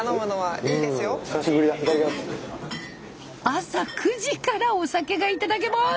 朝９時からお酒が頂けます。